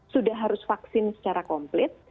sudah harus vaksin secara komplit